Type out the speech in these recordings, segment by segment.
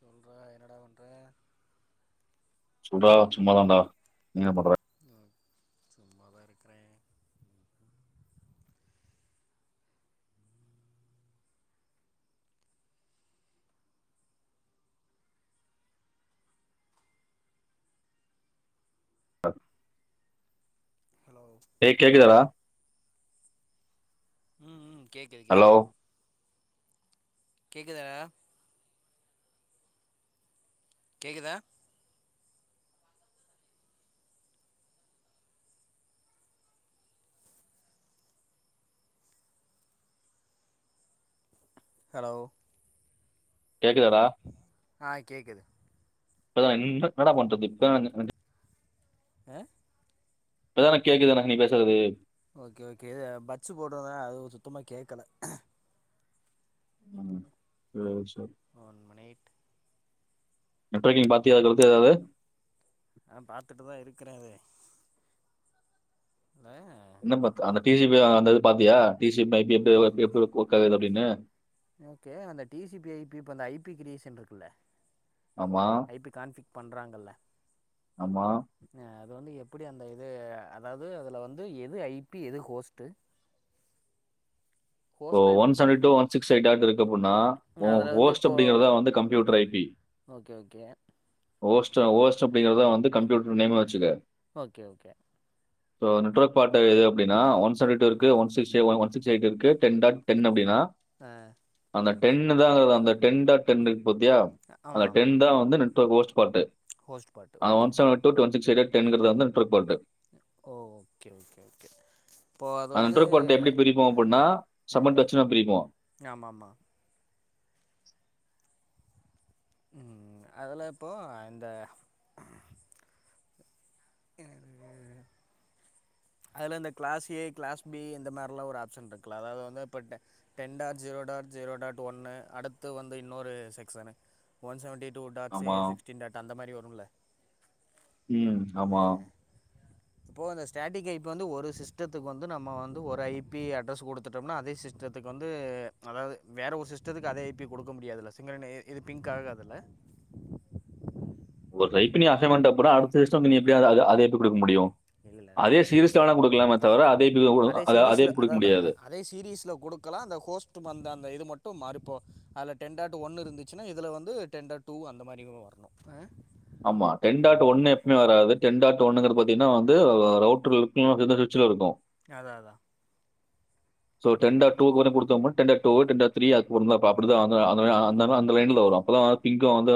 சொல்றா என்னடா பண்ற சொல்றா சும்மா தான்டா நீ என்ன பண்ற சும்மா தா இருக்கறா ஹலோ டேய் கேட்குதடா ம் ம் கேக்குது ஹலோ கேக்குது கேக்குதாடா கேக்குதா ஹலோ கேக்குதடா ஆ கேக்குது இப்பதா என்ன என்னடா பண்றது இப்ப [inaudible] ஆ இப்பத்தானா கேக்குதுனா நீ பேசுறது ஓகே ஓகே இது பட்ஸ் போட்ருந்தா அது சுத்தமா கேக்கல ம் [unintelligible] ஒன் மினிட் நெட்வொர்க்கிங் பாத்தியா அதுக்கடுத்து ஏதாவது நா பாத்துட்டுதா இருக்குறே அதே [unintelligible] என்ன பாத்த அந்த டி சி பி அந்த இது பாத்தியா T C P I P எஃப் பு எப்டி வோர்க் ஆது அப்டின்னு ஓகே அந்த T C P I P இப்ப அந்த ஐ பி கிரியேஷன்ருக்குல்ல ஆமா ஐ பி கான்பிக் பண்றாங்கல்ல ஆமா அது வந்து எப் எப்டி அந்த இது அதாது அதுல வந்து எது ஐபி எது ஹோஸ்ட்டு இப்போ ஹோஸ்ட்னா one seventy two one six eight dot இருக்கு அப்புன்னா ஒ அதுல வந்து ஹோஸ்ட்டு இப்போ அப்டிங்குறது தா வந்து ம் computer I P okay okay ஓஸ்டா ஓஸ்ட் அப்டிங்கிறதா வந்து கம்ப்யூட்டர் நேம்மா வச்சுக்க ஓகே ஓகே இப்போ நெட்வர்க் பார்ட் அப்டின்னா ஒன் சவன்டி டூ இருக்கு one sixty one sixty eight இருக்கு டென் டாட் டென் அப்டின்னா அ டென்னு தா அந்த டென்டா டென்டுக் பொத்யா அந்த ஆமாம் டென் ஆமாம் தா வந்து network host part host part ஆ okay one okay seven two ட்டுவன் சிக்ஸ் [unintelligible] டென்கிறதார்ந்தா நெட்வொர்க் பார்ட்டு ஓ ஓகே ஓகே ஓகே இப்போ அத வந்து ஆ சமண்ட்டச்சினா பிரிப்போ ஆமாம் ஆமாம் ம் அதுல இப்போ ஆ அந்த [unintelligible] அதுல இந்த கிளாஸ் ஏ கிளாஸ் பி இந்த மாரில ஒரு ஆப்ஷன் இருக்குல்ல அதாவது வந்து இப்போ டெ ten dot zero zero dot ஒன்னு அடுத்து வந்து இன்னொரு section one seventy two dots sixteen dot அந்த மாரி வ ருமுல்ல உம் ஆமா இப்போ அந்த ஸ்டாட்டிக்கை இப்ப வந்து ஒரு சிஸ்டத்துக்கு வந்து நம்ம வந்து ஒரு ஐபி அட்ரஸ் கொடுத்துட்டோம்னா அதே சிஸ்டத்துக்கு வந்து அதாவது வேற ஒரு சிஸ்டத்துக்கு அதே ஐபி கொடுக்க முடியாதுல சிங்க இது பிங்க் ஆகதுல ஒரு ஐபி நீ அசைன் பண்டபற அடுத்த சிஸ்டம் நீ எப்டி அத அத எப்டி கொடுக்க முடியு இல்லால அதா கேக்கற அதே பி அதே அத சீரிஸ்ல அத குடுக்க முடியாது. அத சீீரிஸ்ல கொடுக்கலா அந்த ஹோஸ்ட் அந்த அந்த இது மட்டு ட்டு மாறிப்போ அதுல டென்டாட் ஒன் இருந்துச்சுன்னா இதுல வந்து டென்டாட் டூ அந்த மாரியு வரணு ஆமா டென்டாட் ஒன்னு எப்பமே வராது டென்டாட் ஓன்னுங்றது பாத்தீன்னா வந்து ரவுட்டர் ல இருக்கு இல்லன்னா சுவிட்ச்ல இருக்கு அதா அதா சோ டென் டாட் டூ கொடுத்தோம்னா டென்டாட் டூ டென்டாட்திரீ அதுக்கப்புறோ அந்த அப்படிதா வந்து அ அந்த அந்த லைன்ல வரு அப்பதா பிங்கம் வந்து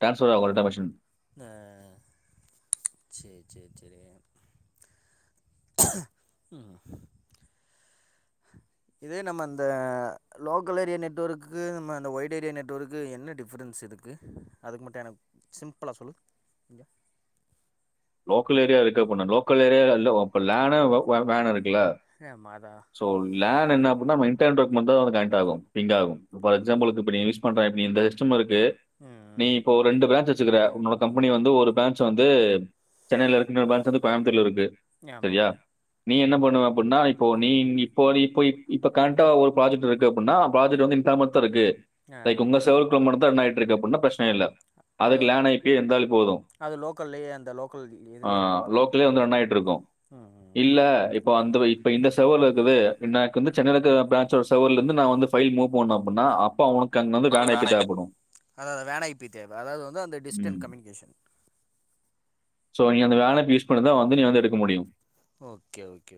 ட்ரான்ஸ்ஃபர் ஆகும் டேட்டா மெஷின். ஆஹ் சேரி சேரி சேரி உம் இதே நம்ம இந்த லோக்கல் ஏரியா நெட்வொர்க்கு நம்ம அந்த ஒய்ட் ஏரியா நெட்வர்க்கு என்ன டிஃப்ரென்ஸ் இருக்கு அதுக்கு மட்டு எனக்கு சிம்பிளா சொல்லு லோக்கல் ஏரியா இருக்க பொண்ணு லோக்கல் ஏரியா இல்ல இப்ப லேனு வெ வேனு இருக் கில்ல ஆமா அதா சோ லேன் ன்ன என்ன அப்டினா நம்ம எண்டு டேர்ம் டாக்குமெண்ட்தா அதோட கணக்ட் ஆகு பிங்காகு ஃபார் எக்ஸாம்பில்க்கு இப்ப நீ யூஸ் பண்றன் இப்ப இந்த ஸ்டம்ருக் கு நீ ம் இப்போ ரெண்டு பிரான்ச் வெச்சுக்கிற உன்னோட கம்பெனி வந்து ஒரு பிரான்ச் சு வந்து சென்னையில இருக்குன்ற பிரான்ச் வந்து கோயம்புத்தூர்ல இருக்கு ம் ஆமா சரியா ஆமா நீ எது நா அப்டின்னா இப்போ நீ இப்போ இப் இப்ப கனக்டா ஒரு ப்ராஜெக்ட் இருக்கு அப்டினா ப்ராஜெக்ட் வந்து இன்தாமத்தா இருக்கு ஆ லைக் உங்க சர்வர்குள்ள மட்டுந்தான் ரன் ஆயிட்டு இருக்கு அப்டினா பிரச்சன இல்ல அது அதுக்கு வந் லேன் ஐ பி இருந்தாலே போது அது லோக்கல்லேயே அந்த லோக்கல் இதுலயே இருந்தா ஆஹ் போது லோக்கல்லயே ம் வந்து ரண்ணாயிட்டு இருக்கு ம் ம் இல்ல இப்ப அந்த இப்ப இந்த சர்வர்ல இருக்குது எனக்கு வந்து சென்னைல இருக்கிற பிரான்சோட சர்வர்ல இருந்து நா வந்து பைல் மூவ் பண்ணனு அப்டினா அப்பா உனக்கு அதது வேன் ஐ பி அதாதா வேன் ஐ பி தேவ அதாவது வந்து டிஸ்டண் கம்யூனிகேஷன் சோ நீ அந்த வேன் ஐ பி யூஸ் பண்ணிதா வந்து நீ வந்து எடுக்க முடியு ஓகே ஓகே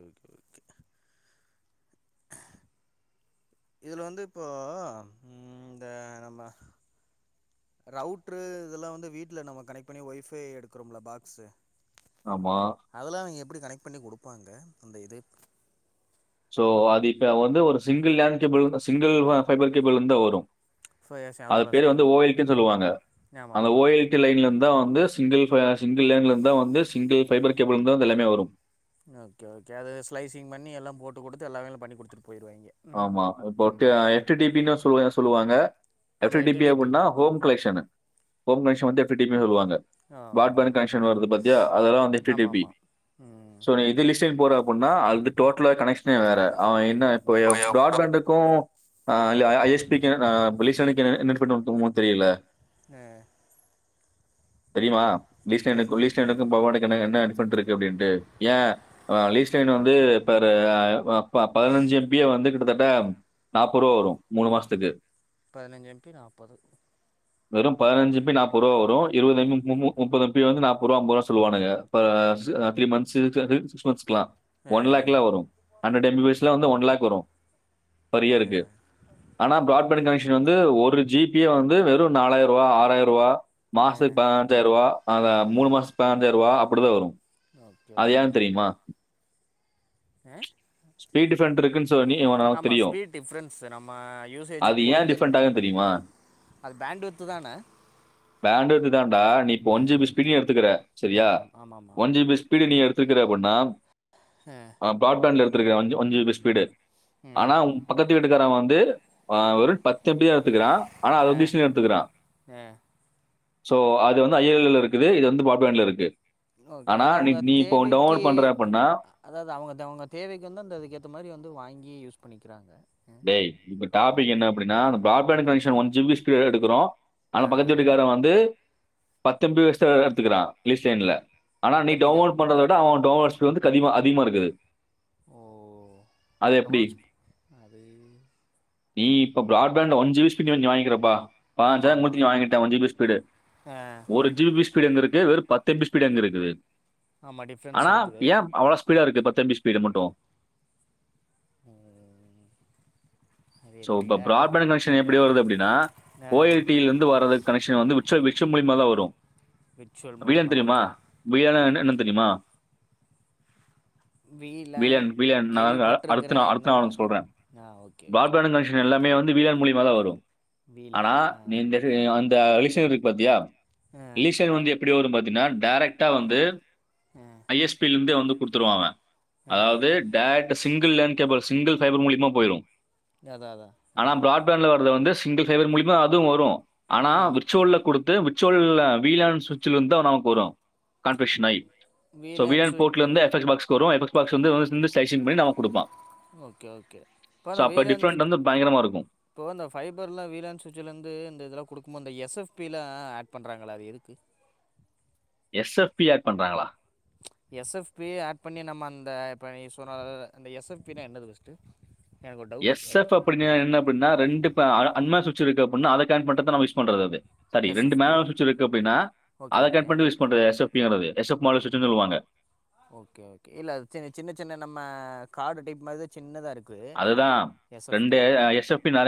இதுல வந்து இப்போ உம் இந்த நம்ம ரவுட்ரு இதெல்லா வந்து வீட்ல நம்ம கனெக்ட் பண்ணி ஒய்ஃபை எடுக்கிறோம்ல பாக்ஸு ஆமா அதெல்லா அவிங்க எப்படி கனெக்ட் பண்ணி குடுப்பாங்க அந்த இது சோ அது இப்ப வந்து ஒரு single land cable single fiber கேபிள்ல இருந்துதா வரு ஸோ அது அதான் பேர் வந்து விஷயங்கள் ஓ எல் கே சொல்லுவாங்க ஆமாம் அந்த ஓ ஆமாம் எல் கே லைன்ல இந்துதா வந்து சிங்கிள் சிங்கிள் லேன்ல இருந்தான் வந்து சிங்கிள் பபைபர் கேபிள் இருந்து வந்து எல்லாமே வரும் ஓகே ஓகே அது ஸ்லைசிங் பண்ணி எல்லாம் போட்டு கொடுத்து எல்லாமலாம் பண்ணி கொடுத்துருக்கேன் ஆமா இப்ப எப்டு டடிபனு சொல்லுவாங்க எஃப் ஆமாம் எட்டு டிபி அப்படின்னா ஹோம் கலெக்ஷன் ஹோம் கனெக்ஷன் வந்து [unintelligible] சொல்லுவாங்க பர்டு ஆ பாண்ட் கானேக்சன் வருது பாத்தியா அதெல்லா வருது பாத்தியா ஆமாம் ஜிட்டிபி ஆமாம் ம் சொ [unintelligible] சொ டோடல் கானேக்சனே வேற பார்ட் பண்டுக்கும் ஆஹ் ஐஸ்பி என்ன ப்ளீஷனுக்கும் டிஃபரெண்ட் தெரியல ஆஹ் தெரியுமா ஏ லீஸ்ட்டெனுக்கு லிஸ்ட்டெனுக்கு [unintelligible] அனுப்ப இருக்கு அப்படின்ட்டு ஏ லீஸ்டைன் வந்து பதின்சு எம் பி பி ஏ வந்து கிட்டத்தட்ட நாற்பது ரூபா வரு மூணு மாஸ்த்துக்கு பதினஞ்சு எம்பி நாற்பது வெறும் பதினஞ்சு ஜி பி நாற்பது ரூபா வரு இப்ப இருபது ம் பி முப்பது ம் பி வந்து நாற்பது ரூபா முப்பது அம்பதுருவ சொல்லுவானுங்க த்ரீ மந்த்ஸ் சிக்ஸ் மந்த்ஸ்கலாம் ஆ ஒன் லக்ல வரும் ஹண்ட்ரட் எம் பி பிஸ் ல வந்து ஒன் லக் வரும் ஆ பரியரி இருக்கு ஆனா பராட்பேண்ட் கனெக்ஷன் வந்து ஒரு ஜி பியே வந்து வெறும் நாலாயர் ரூபா ஆறாயிர ரூபா மாசத்துக்கு பதினஞ்சாயிரம் ரூபா அந்த மூணு மாசத்து பதினஞ்சாயிரம் ரூபா அ அப்படி தான் வரும் அது ஏன் தெரியுமா ஆஹ ஸ்பீட்டி டிப்ன்இருக்கு எவனாவது தெரியும் ஸ்பீட் டிஃப்ரென்ஸ் நம்ம அது யூசேஜுக்கு ஏன் பொறுத்து நம் டிப்ன்டாகு தெரியுமா அது பேண்ட்வித்து தானே வேண்ட [unintelligible] நீ இப்ப ஆ ஒன் ஜி பி ஸ்பீடு எடுத்துக்கிற சரியா ஆமாம் ஆமாம் ஆமாம் ஒன் ஜி ஸ்பீடு நீ எடுத் இருக்கிற அப்படின்னா ஆ ஆஹ் பாட் பேண்ட த்திருக்க [unintelligible] ஓன் ஜி பி ஸ்பீடு ம் ஆனா உ பக்கத்து விட் இருக்கறன் வந்து ஒரு பத்து பேர் எடுத்துக்கிறான் ஆஹ் ஆ [unintelligible] எடுத்துக்கறான் ஆ சோ அது வந்து ஐ எல் எல இருக்குது இது வந்து பாட்பேண்ட்ல இருக்கு ஓகே ஆனா அத நீ அவுங்க நீ இப்போ தேவைக்கி டவுன்லோட் பண்ற அப்படின்னா அதா அதா அவுங்க அவுங்க தேவைக்கு வந்து அந்த அதுக்கேற்ற மாதிரி வந்து வாங்கி யூஸ் பண்ணிக்கிறாங்க டய்ப்ப அ டாபிக் என்ன அப்படினா பாட்பேண்ட் கனெஷன் ஒன் ஜிபி கிளியரா எடுக்குறோ ஆனா அ ஆ பக்கத்து ஆ வீட்டுக்காரன் வந்து பத்து எம் பி வெச்சுதா எடுத்துக்குறான் லீஸ்ட் லைன்ல ஆனா நீ பத்தம்பி தா டவுன்லோட் பண்றத விட அவன் டவுன்லோட்ஸ்க்கு வந்து அதிகமா அதிகமா இருக்குது ஓ அது எப்டி டேய் நீ இப்ப ப்ராட்பேண்ட் ஒன் ஜி எஸ் பீ பின் நீ வாங்கிக்கிறப்பா ஆமா வாங்கிட்ட மூணு ஆமா பின் வாங்கிட்ட one G B S speed ஆ ஒரு ஜி பி ஏஸ் ஸ்பீடு எங்க இருக்கு வெறு பத்து எம் பி ஸ்பீடு எங்க இருக்குது ஆமா டிஃப்ரென்ஸ் ஆனா இருக்குது ஏன் அவ்ளோ ஸ்பீடா இருக்கு பத் தம்பி ஸ்பீட மட்டு ம் அது சோ இப்ப எப்படிடா டேய் ப்ராட்பேண்ட் இன்வென்க்ஷன் எப்டி வருது அப்டின்னா ஆ ஓ எல் டி ல இருந்து வரத கனெக்க்ஷன் வந்து விர்ச்சுவல் விர்ச்சு மூலிமாதா வ ரு விர்ச்சுவல் வி மூலியமா லேன் தெரியுமா ஓகே வி லேன்னா என்னன்னு தெரியுமா வி லேன் வீலன் கேள்வி பட்டுருக்குறே என்ன சொல்ற ஆ okay broad okay band connection எல்லாமே வந்து வி லேன் மூலிமாதா வரு வீ ஆனா லேன் ஆ நீ இந்த செரி வந் த அலிஷன் இருக்கு பாத்தியா ஆ லீஷன் வந்து எப்டி வரு பாத் தினா டேரெக்ட்டா வந்து ஆ ஐ எஸ் பிலிருந்துதே வந்து குடுத்துருவாங்க ஆ அதாவது டே single lane cable single fiber மூலிமா போயிரு அதான் அதான் ஆ ஆனா ப்ராட்பேண்ட்ல வரது ‌வந்து சிங்கில் ஃபைபர் மூலியமா அதுவும் வரும் ஆனா ம் விர்ச்சுவல்ல கொடு த்து உச்சோல் வீலாசுச்சல இருந்து தா நமக்கு வரும் கான்பிஷ் ஆய் சோ வீலன் வீஎன் சுவிட்ச் ஃபோ்டல வந்து எப்ஃஎக்ஸ் பாக்ஸ் வரு எப்ஃஎக்ஸ் பாக்ஸ் வந்து ஃபுல்லா சிசிங் பண்ணி நமக்கு குடுப்பா ஓகே ஓகே இப்போ அந்த வீலன்ஸ் டிஃபரெண்ட் வந்து பயங்கரமா இருக்கும். இப்போ அந்த ஃபைபர்லாம் வீலன்ஸ் ஸ்விட்சலேருந்து இந்த இதெல்லாம் குடுக்குமாோ அந்த எஸ்எஃப் ப்பிலா ஆட் பண்றாங்கள அது எதுக்கு எஸ்-எப்-பி ஹாக் பண்றாங்களா எஸ்-எப்-பி ஆட் பண்ணி நம்ம அந்த ஈஸ்வரா எஸ்-எப்-பி நா என்னது பஸ்ட்டு எஸ்-எஃப் அப்டினா என்ன அப்படின்னா ரெண்டு அன்ம இருக்க அப்டினா அத கரெக்ட் பண்றதா நாம யூஸ் பண்றது அது சரி ரெண்டு எஸ்எஃப்பி மேனவல் சுட்ச் இருக்கு அப்படின்ன ஓகே அத ஓகே கட் பண்ணிட்டு யூஸ் பண்றது எஸ்-எப் - ங்கிறது எஸ்- எப் -மாடல் சுவிட்சு சொல்லுவாங்க ஓகே ஓகே இல்ல ச சின்ன சின்ன நம்ம கார்டு டைப் மாதிரிதான் சின்னதா இருக்கு அதுதான் ரெண்டு எஸ் -எப் - -பி ந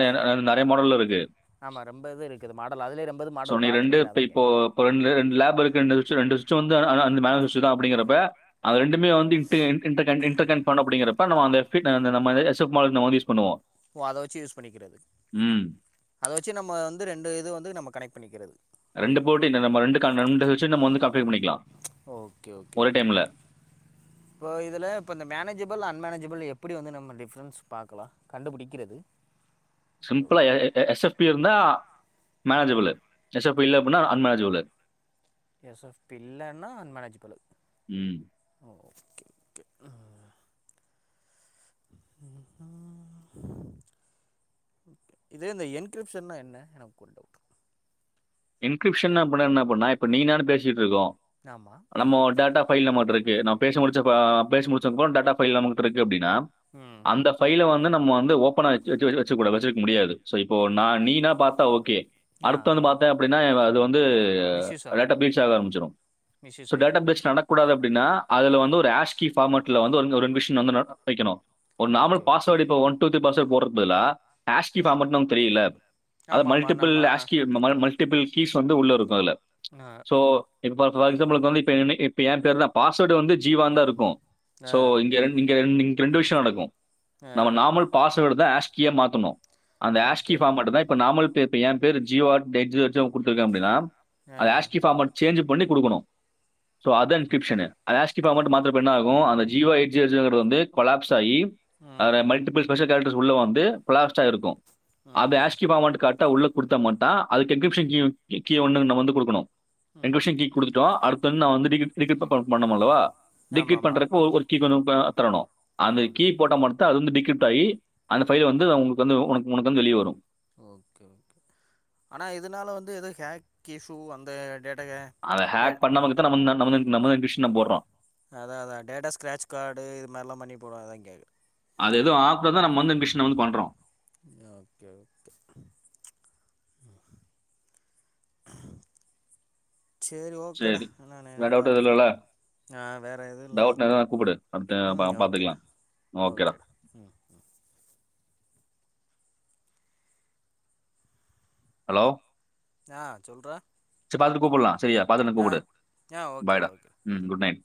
நிறைய மாடல் இருக்கு ஆமாம் ரொம்ப இது இருக்குது மாடல் அதிலே ரொம்ப இது சோ மாடல் நீ ரெண்டு பார்த்துருக்குறேன் அதான் இப்போ கேட்குறேன் ரெண்டு லேப் இருக்குஇன்றத விஷயம் அப்டினா தான் அப்படிங்கிறப்ப அது ரெண்டு - மே வந்து இண்ட் இடன்கண்ட் பண்ண அப்படிங்கற பண்ணுவா அது எப்டினா நாம அந்த இது யூஸ் பண்ணுவோம் ஓ அத வச்சு யூஸ் பண்ணிக்கிறது ம். அதை வச்சு நம்ம வந்து ரெண்டு இது வந்து நம்ம கனெக்ட் பண்ணிக்கிறது ரெண்டு போட்டி நம்ம ரெண்டு வ கம்ப்யர் பண்ணிக்கலாம் ஓகே ஒரே ஓகேக டைம்ல. இப்ப இதுல இப்ப இந்த மேனேஜபள் அன்மனேஜ - ல் எப்படி வந்து நம்ம டிஃபரன்ஸ் பார்க்கலாம் கண்டுபிடிக்கிறது சிம்பிளா ஓகே எஸ்-எப்-பி இருந்தா மேனஜிபிள்லு ஹ எ பிள்ளன்னா அன்மனேஜ்பிள் ம். ஓ இதே இந்த என்கிரிப்ஷன்னா என்ன எனக்கு ஒரு டவுட் இன்கிரிப்ஷன் பண்ண என்ன பண்ணா இப்ப நீயு நானு பேசிட்டு இருக்கோம் ஆமாம் நம்மோ டேட்டா ஃபைல் நம்மட்ட இருக்கு நான் பேசி முடிச்ச அஹ் பேசி முடிச்ச அப்ரோ டேட்டா ஃபைல் நம்மட்ட இருக்கு அப்படி - னா ம் அந்த பைல வந் நம்ம வந்து ஓப்பனா வச்சுட வச்சுருக்க முடியாது சோ இப்ப ந நீனா பார்த்தா ஓகே ஆ அடுத்தவங்க வந்து பார்த்தா அப்டினா அது வந்து மிஸ்யூஸ் டேட்டா ஆகும் பேஸ் ஆரபிச்சிரும் மிஸ்யூஸ் சோ டேட்டா ஆயிரும் பேஸ் பண்ண கூடாது அப்டினா அதுல வந்து ஒரு ஆஷ் கீ பார்மட்ல வந்து ரெண்டு விஷயம் வந்து வைக்கணும் ஒரு நார்மல் ஓகே ஓகே பாஸ்வேர்டு இப்ப ஒன் டு தீரீ பாஸ்வர்ட் போறது பதிலா ஆஸ்கி பார்மேட்னா உங்ளுக்கு தெரியும்லே அத ஆமாம் ஆமாம் மல்டிபிள் நம்ம ஆஸ்கி இந்த மாதிரி டிபிள் கீஸ் வந்து உள்ள இருக்கும் அதுல ஆ சோ இப்பபார் எக்ஸாம்பிள்க்கு வந்து இப்ப எ பேருதான் பாஸ்வேர்டு வந்து ஜீவா தா இருக்கும் ஆ சோ இங்க இங்க இங்க ரெண்டு விஷயம் நடக்கும் ஆ நம்ம நாமல் பாஸ வோட தா ஆஸ்கீயா மாத்தணும் அந்த ஆஷஸ்கி ஓகே ஃபார் மட்டு தான் இப்ப நாமல் இப்ப என் பேர் ஜியோஆட் டெட்ஜியோட் க்கு கொத்துருக்க அப்டின்னா ஆ அது ஆஷ்கிஃபார்மட் சேஞ் பண்ணி குடுக்கணும் ஷோ அதா டிஸ்கிரிப்ஷனு அத ஆஸ்கீ பார்மட் மாத்தரப்ப என்ன ஆகும் அந்த ஜியோஎட்ஜியோஜியோங்கரது வந்து கொலப்ஸ் ஸாப் ஆகி அதல ம் மல்டிபல் ஸ்பெஷல் கேரக்டர்ஸ் உள்ள வந்து கொளாஸ்ட் ஆயி இருக்கும் அது ம் ஆஸ்கிபார்மட்க்கு அட்த் குடுத்தா உள்ள குடுத்தாமட்டான் அதுக் டிஸ்கிரிப்ஷன் கீ கீ கீ ஒன்னு நம்ம வந்து குடுக்கணு ம் ரங்விஷ்யன் கீ குடுத்துட்டோம் அடுத்து வந்து நா வந்து டீ [unintelligible] பண்ணோம் அல்லவா டிகிப்ட் ஆமாமா பண்றக்கு ஒரு கீ வேணு ஆ தரணு அந்த ஓக் கீ போட்டா மட் தா அது வந்து டிகிப்ட் ஆயி அந்த ஃபைல் வந்து உங்களுக்கு வந்து உனக்கு வந்து வெளிய வரும் ஓகே ஓகே ஆனா இதுனால வந்து ஏதா ஹேக் இஸ்ஸு அந்த டேட் அத ஹேக் பண்ணாம இக்கதான் நம் நம்ம வந் நம்ம தா கிஷ்ன போடுறோ அதான் அதான் டேட்டா ஸ்கிராட்ச் கார்டு இது மாரிலா பண்ணி போடுவ அதான் கேக்குற அது எதோ ஆப் தான் நம்ம வந்து மிஷன வந்து பண்றோம் ஓகே ஓகே சேரி ஓகேடா சரி. நானு வேற என்னன்னு டவுட் எதுவும் பாத்துட்டு இல்லல்ல? ஆ வேற எதும் இல்லை டவுட்னா எதுனா கூப்பிடு. அடுத்து பா ம் ஓகேடா பார்த்துக்கலாம். ஓகேடா ம் ஹலோ ஆ சொல்றா சரி பாத்துட்டு கூப்புல்லாம் செரியா பாத்துட்டு என்னன்னு ஆ கூப்புடு ஆ ஓகேடா பாய்டா ஓகே ம் குட் நைட்